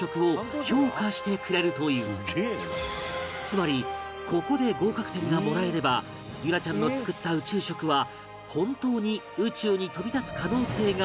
つまりここで合格点がもらえれば結桜ちゃんの作った宇宙食は本当に宇宙に飛び立つ可能性があるという事に